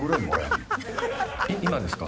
今ですか？